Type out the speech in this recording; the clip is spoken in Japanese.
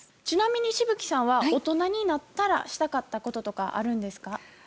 ちなみに紫吹さんは大人になったらしたかったこととかあるんですか？